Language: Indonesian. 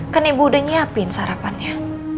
kan ibu udah nyiapin sarapannya